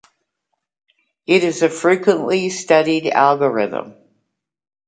it is a frequently studied algorithm